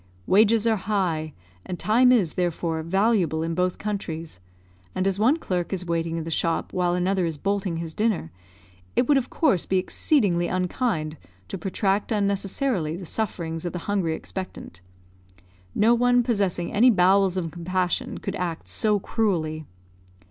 Wages are high, and time is, therefore, valuable in both countries, and as one clerk is waiting in the shop while another is bolting his dinner, it would of course be exceedingly unkind to protract unnecessarily the sufferings of the hungry expectant; no one possessing any bowels of compassion could act so cruelly.